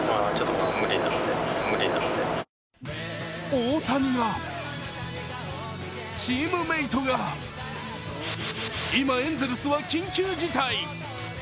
大谷が、チームメートが今、エンゼルスは緊急事態。